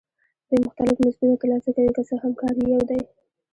دوی مختلف مزدونه ترلاسه کوي که څه هم کار یې یو دی